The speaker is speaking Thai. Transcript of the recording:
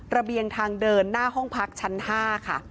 เบียงทางเดินหน้าห้องพักชั้น๕ค่ะ